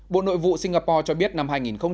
bộ nội vụ singapore cho biết năm hai nghìn một mươi chín